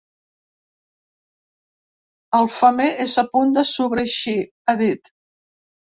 El femer és a punt de sobreeixir, ha dit.